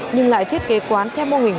nhưng lại thiết kế quán theo mô hình